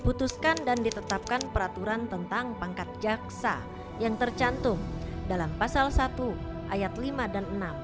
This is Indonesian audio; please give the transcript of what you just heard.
putuskan dan ditetapkan peraturan tentang pangkat jaksa yang tercantum dalam pasal satu ayat lima dan enam